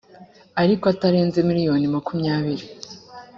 ariko atarenze miliyoni makumyabiri